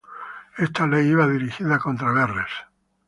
Esta ley iba dirigida contra Verres.